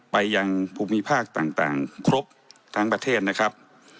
ไปยังภูมิภาคต่างครบทั้งประเทศนะครับ